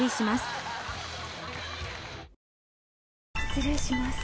失礼します。